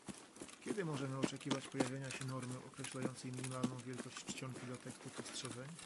Kiedy możemy oczekiwać pojawienia się normy określającej minimalną wielkość czcionki dla tekstów ostrzeżeń?